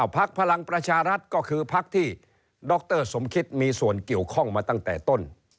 พักพลังประชารัฐก็คือพักที่ดรสมคิตมีส่วนเกี่ยวข้องมาตั้งแต่ต้น